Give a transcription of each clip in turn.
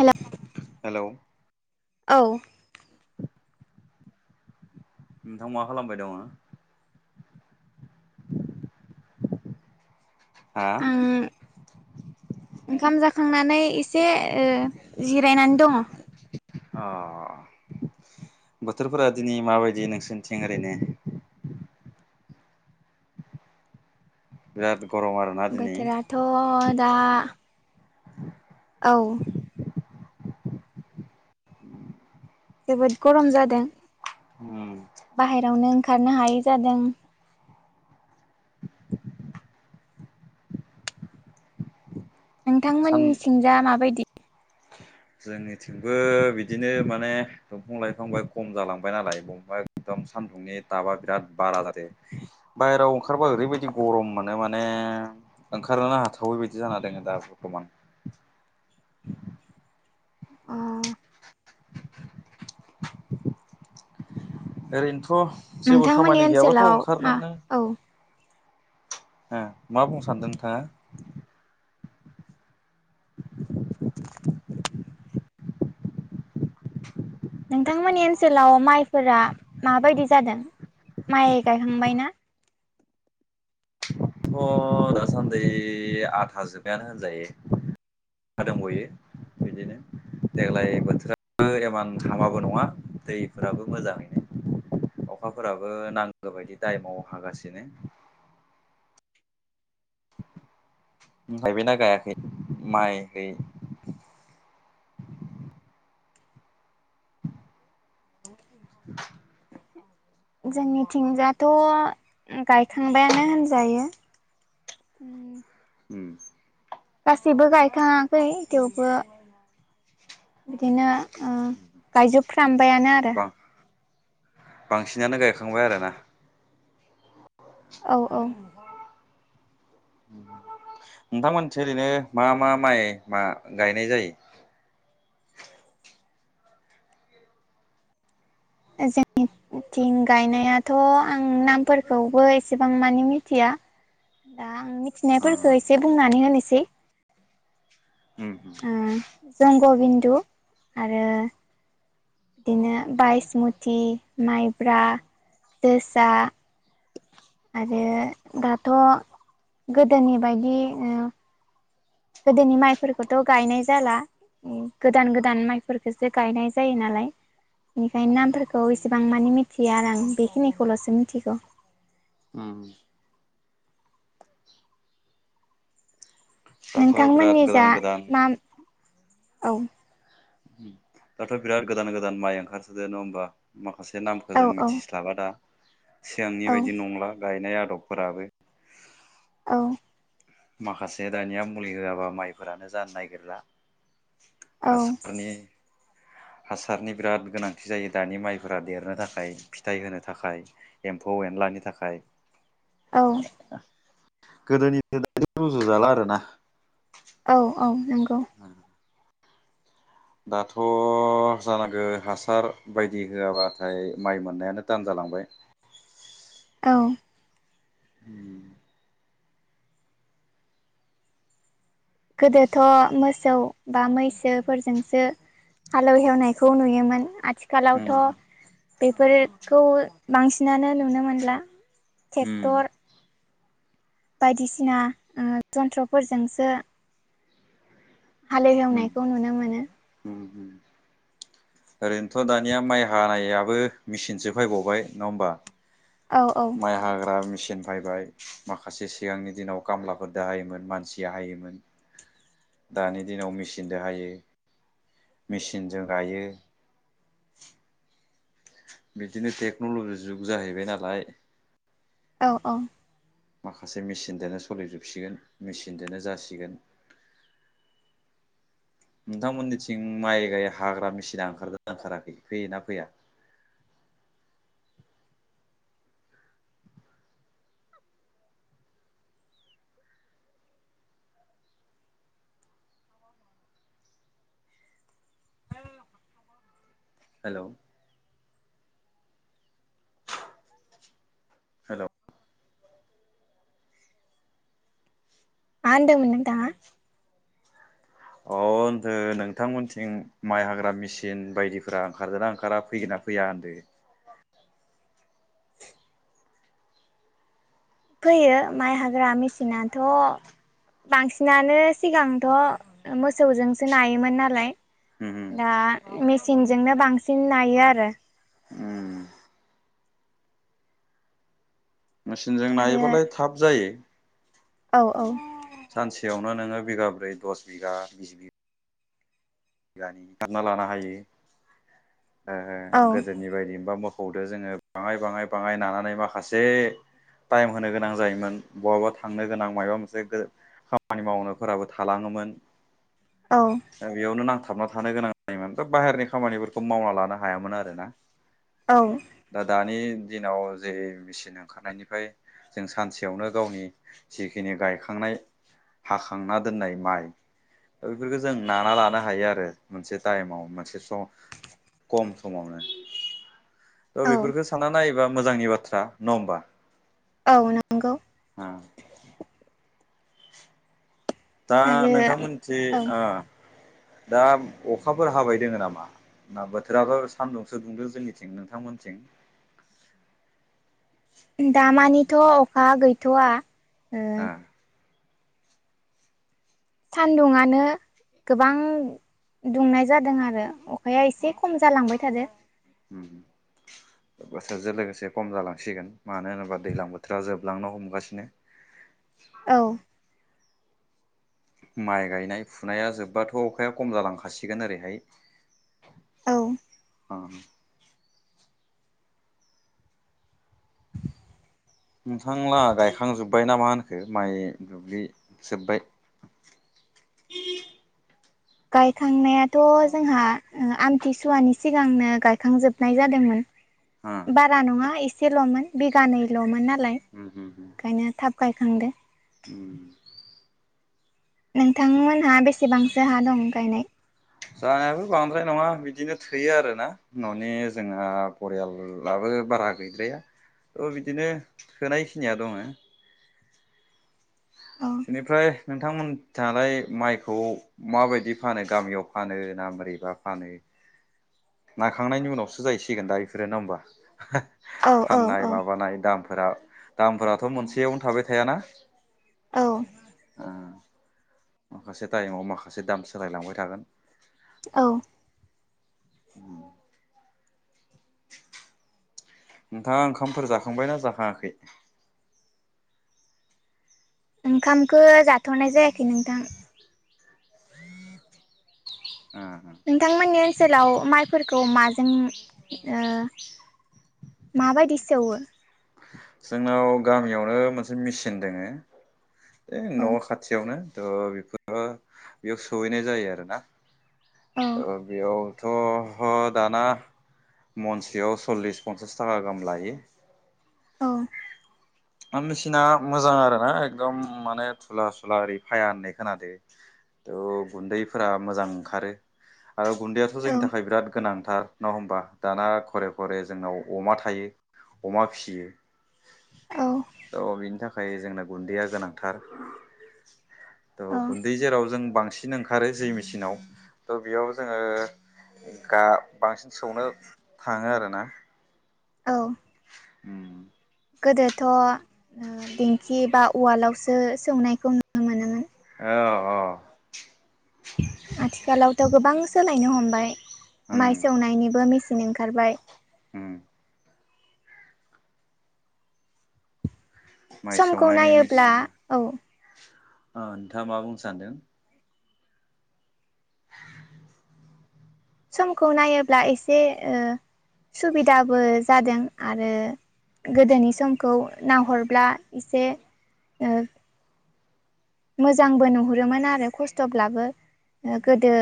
हेल' hello औ। नोंथां मा खालामबाय दङो? हा। आं ओंखाम जाखांनानै एसे ओ जिरायनानै दं। ओ बोथोरफोरा दिनै माबायदि नोंसोरनिथिं ओरैनो? [unintelligible] दिनै बोथोराथ' दा [inaudible] औ। जोबोद गरम जादों उम बाहेरावनो ओं खारनो हायि जादों। नोंथांमोन सान सिंजा माबायदि? [unintelligible] जोंनिथिंबो बिदिनो माने दंफां लाइफां बाय खम जालांबाय नालाय बबेबा एकदम सान्दुंनि टाबा बिराद बारा जादो बायहेरायाव ओंखारबा ओरैबायदि गरम मोनो माने ओंखारनो हाथावै बायदि जाना दङो दा बरथमान। अ ओरैनोथ' जेबो नोंथांमोननि खामानि गैयाबाथ' ओनसोलाव मा ओंखारनोनो औ ओ मा बुंनो सानदों नोंथाङा? [inaudible] नोंथांमोननि ओनसोलाव माइफोरा माबायदि जादों? माइ गायखांबाय ना? थ' दासान्दि आधा जोबबायानो होनजायो। हा दंबयो बिदिनो। देग्लाय बोथोराबो एमान हामाबो नङा दैफोराबो मोजाङैनो। अखाफोराबो नांगौ बायदि टाइमाव हागासिनो। उम गायबायना गायाखै माय [inaudible] जोंनिथिंजाथ' उम गायखांबायानो होनजायो उम। उम। गासिबो गायखाङाखै थेवबो बिदिनो उम गायजोबफ्रामबायानो आरो। बां बांसिनानो गायखांबाय आरोना? औ औ। नोंथांमोनथि ओरैनो मा मा माइ मा गायनाय जायो? जोंनि [unintelligible] थिं गायनायाथ' आं नामफोरखौबो एसेबां मानि मिथिया दा आं ओ मिथिनायफोरखो एसे बुंनानै होनोसै उम उम। गबिन्दु आरो बिदिनो बाइसमुथि, माइब्रा, जोसा आरो दाथ' गोदोनि बायदि उम गोदोनि माइफोरखौथ' गायनाय जाला। उम गोदान गोदान माइफोरखोसो गायनाय जायो नालाय। बेनिखायनो नामफोरखौ इसेबां मानि मिथिया आरो आं बेखिनिखौल'सो मिथिगौ। उम। दाथ' बिराद नोंथांमोनिजा गोदान गोदान नाम औ। दाथ' बिराद गोदान गोदान माइ ओंखारसोदो नंङा होमबा? माखासे औ नामखो जों औ मिथिस्लाबा दा। सिगांनि औ बायदि नंला गायनाय आदबफोराबो। औ। माखासे दानिया मुलि होआबा माइफोरानो जानो नागिरला। हा औ सारनि हासारनि बिराद गोनांथि जायो दानि माइफोरा देरनो थाखाय फिथाइ होनो थाखाय एम्फौ एनला नि थाखाय। औ। गोदोनिदो दानिदो रुजु जाला आरोना। औ औ नंगौ। दाथ' जानांगो हासार बायदि होआबाथाय माइ मोननायानो तान जालां बांबाय। औ। उम। गोदोथ' मोसौ बा मैसोफोरजोंसो हालौ हेवनायखौ नुयोमोन आ उम थिखालावथ' बेफोरखौ बांसिनानो नुनो मोनला। टेक्टर बायदिसिना ओ जन्थ्रफोरजोंसो हाल उम एवनायखौ नुनो मोनो। उम उम। ओरैनोथ' दानिया माइ हानायाबो मिचिनसो फायबावबाय नंङा होमबा? औ औ माइ हाग्रा मिसिन। फायबाय माखासे सिगांनि दिनाव काम्लाफोरदो हायोमोन मानसिआ हायोमोन। दानि दिनाव मिचनदो हायो। मिसिनजो गायो। बिदिनो टेकन'लजि जुग जाहैबाय नालाय। अ अ। माखासे मेचिनदोनो सोलिजोबसिगोन मेचिनजों नों जासिगोन। [inaudible] नोंथांमोननिथिं माइ गाय हाग्रा मेसिना ओंखारदों ओंखाराखै फैयोना फैया? [inaudible] [unintelligible] हेल'। हेल'। मा होन्दोंमोन नोंथांङा? अ होनदो नोंथांमोनथिं माइ हाग्रा मेसिन बायदिफोरा ओंखारदों ना ओंखारा फैगोना फैया होनदो। फैयो माइ हाग्रा मेसिनाथ' बांसिनानो सिगांथ' मोसौजोंसो नायोमोन नालाय। उम दा मेसिनजोंनो बांसिन नायो आरो। उम मेसिनजों नायोबालाय थाब जायो। औ औ। सानसेयावनो नोङो बिगाब्रै दस बिगा बिस बि घानि [unintelligible] लानो हायो ओ औ गोदोनि बायदिबा म खौदो जोङो बांङाय बांङाय बांङाय नानानै माखासे टाइम होनो गोनां जायोमोन बहाबा थांनो गोनां माबा मोनसे गो खामानि मावनोफोराबो थालाङो मोन दा बेयावनो नां थाबना थानो गोनां जायोमोन बा बाहेरनि खामानिफोरखौ मावना लानो हायामोन आरोना औ दा दानि दिनाव जे मेचिन ओंखारनायनिफाय जों सानसेयावनो गावनि जिखिनि गायखांनाय हाखांना दोननाय माइ ओ इफोरखो जों नाना लानो हायो [unintelligible] [unintelligible] मोनसे टाइमाव मोनसे स कम समावनो त' औ बेफोरखो सानना नायोबा मोजांनि बाथ्रा न [unintelligible] ओमबा औ नंगौ। दा आरो नोंथांमोनथि औ ओ दा अखाफोर हाबाय दोङो नामा? ना बोथोराबो सान्दुंसो दुंदों जोंनिथिं नोंथांमोनथिं दामानिथ' अखा गैथ'वा ओ सान्दुंङानो गोबां दुंनाय जादों आरो अखाया एसे खम जालांबाय थादो। उम उम बोथारजों लोगोसे खम जालांसिगोन मानो होनोबा दैलां बोथोरा जोबलांनो हमगासिनो [inaudible] औ माइ गायनाय फुनाया जोब्बाथ' अखाया कम जालांखासिगोन ओरैहाय औ ओं नोंथांलाङा गायखांजोब्बाय नामा होनखो माइ दुब्लि जोब्बाय [inaudible] गायखांनायाथ' जोंहा ओ आमथिसुवानि सिगांनो गायखांजोबनाय जादोंमोन। बारा नङा एसेल'मोन बिगानैल'मोन नालाय उम उम उम ओंखायनो थाब गायखां दो उम नोंथांमोनहा बेसेबांसो हा दं गायनाय जाहानियाबो बांद्राय नङा बिदिनो थोयो आरोना न'नि जोंना फरियाललाबो ओ बारा गैद्राया ओ बिदिनो थोनाय खिनिया दङो औ इनिफ्राय नोंथांमोन जालाय माइखौ माबायदि फानो गामियाव फानो ना मोरैबा फानो नाखांनायनि उनावसो जाहैसिगोन दा इफोरो नङा होमबा औ [unintelligible] औ फाननाय औ माबानाय दाम फोरा दामफोराथ' मोनसेयावनो थाबाय थायाना। औ। आ माखासे टाइमाव माखासे दाम सोलायलांबाय थागोन। औ। नोंथाङा ओंखामफोर जाखांबायना जाखाङाखै? ओंखामखो जाथ'नाय जायाखै नोंथां। ओ ओ नोंथांमोननि ओनसोलाव माइफोरखौ माज जों ओ माबायदि सौवो जोंनाव गामियावनो मोनसे मेचिन दोङो। ए औ न' खाथियावनो त' बेफोर [unintelligible] बेयाव सहैनाय जायो आरोना। औ ओ बेयावथ' ह दाना मनसेयाव सल्लिस पन्सास तागा गाहाम लायो। औ। मा मेचिना मोजां आरो ना एकदम माने धुला सुला ओरै फाया होननाय खोनादो। त' गुन्दैफोरा मोजां ओंखारो आरो गुन्दैयाथ' औ जोंनि थाखाय बिराद गोनांथार। नङा होमबा दाना घरे घरे जोंनाव अमा थायो अमा भिसियो। औ त' बिनि थाखाय जोंना गुन्दैया गोनांथार। त' औ गुन्दै जेराव जों बांसिन ओंखारो जे मेचिनाव त' बेयाव जोङो गा बांसिन सौनो थाङो आरोना औ। उम गोदोथ' दिंखि बा उवालावसो सौनायखौ नुनो मोनोमोन। अ-अ आथिखालावथ' गोबां सोलायनो हमबाय ओम माइ सौनायनिबो मेसिन ओंखारबाय। ओम माइ समखौ सौनायनि नायोब्ला मेचिन औ नोंथाङा मा बुंनो सानदों समखौ नायोब्ला एसे सुबिदाबो जादों आरो गोदोनि समखौ नाहरब्ला एसे मोजांबो नुहुरोमोन आरो खस्थ'ब्लाबो गोदो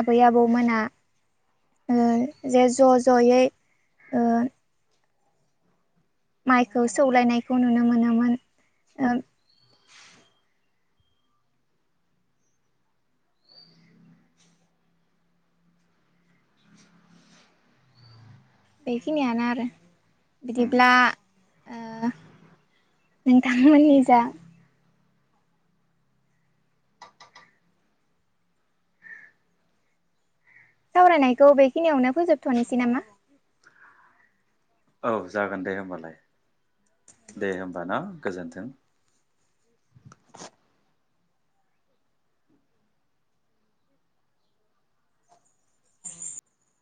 आबै आबौमोना ओ जे ज' ज'यै ओ माइखौ सौलायनायखौ नुनो मोनोमोन बेखिनियानो आरो उम बिदिब्ला नोंथां मोननिजा सावरायनायखौ बेखिनियावनो फोजोबथ'नोसै नामा औ जागोन दे होमबालाय दे होमबाना गोजोन्थों।